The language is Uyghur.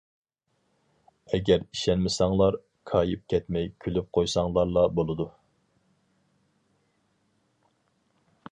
ئەگەر ئىشەنمىسەڭلار كايىپ كەتمەي كۈلۈپ قويساڭلارلا بولىدۇ.